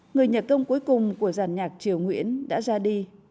người nhà công cuối cùng của giàn nhạc triều nguyễn đã ra đi